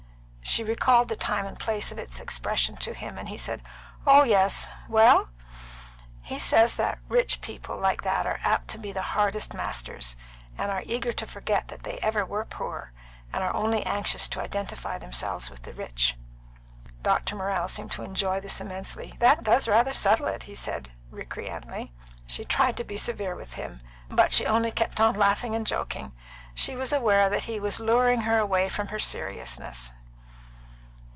She recalled the time and place of its expression to him, and he said, "Oh yes! Well?" "He says that rich people like that are apt to be the hardest masters, and are eager to forget they ever were poor, and are only anxious to identify themselves with the rich." Dr. Morrell seemed to enjoy this immensely. "That does rather settle it," he said recreantly. She tried to be severe with him, but she only kept on laughing and joking; she was aware that he was luring her away from her seriousness.